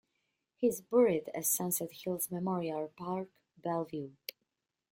He is buried at Sunset Hills Memorial Park, Bellevue.